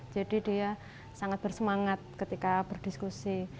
jadi dia sangat bersemangat ketika berdiskusi